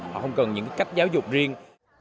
họ không cần những cách giáo dục riêng